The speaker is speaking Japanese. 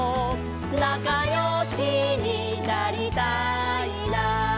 「なかよしになりたいな」